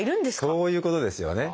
そういうことですよね。